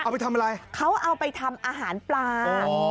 เอาไปทำอะไรเขาเอาไปทำอาหารปลา